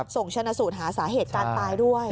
ส่งชนะสูตรหาสาเหตุการตายด้วย